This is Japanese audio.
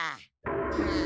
うん。